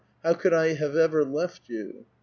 How could I have ever left vou ?